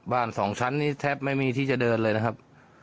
สองชั้นนี้แทบไม่มีที่จะเดินเลยนะครับ